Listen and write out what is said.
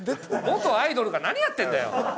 元アイドルが何やってんだよ！